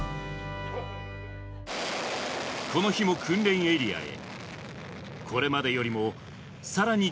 この日も訓練エリアへ。